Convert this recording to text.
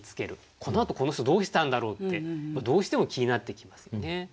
「このあとこの人どうしたんだろう？」ってどうしても気になってきますよね。